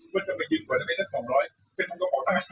ว่าจะไปยืนกว่าจะไปเท่า๒๐๐เป็นมันก็ขอต้านไหล